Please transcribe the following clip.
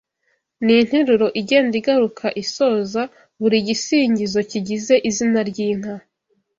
ni interuro igenda igaruka isoza buri gisingizo kigize izina ry’inka